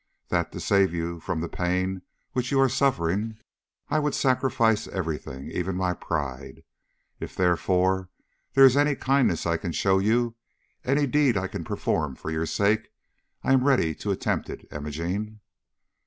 That to save you from the pain which you are suffering, I would sacrifice every thing, even my pride. If, therefore, there is any kindness I can show you, any deed I can perform for your sake, I am ready to attempt it, Imogene.